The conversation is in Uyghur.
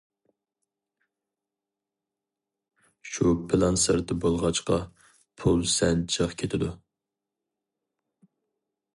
شۇ پىلان سىرتى بولغاچقا پۇل سەل جىق كېتىدۇ.